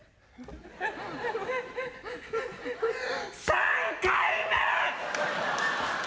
３回目。